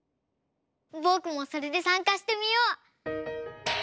ぼくもそれでさんかしてみよう！